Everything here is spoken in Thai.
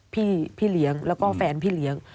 พี่เลี้ยงแล้วก็แฟนพี่เลี้ยง